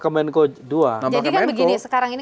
kemenko dua jadi kan begini sekarang ini